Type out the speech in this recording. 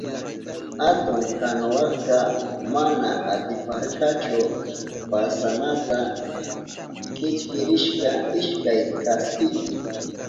Atun kanuwaka mana atiparkachu pasanata, kichkirishka ishkay kaspipi.